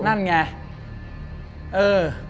นั่นไงเออ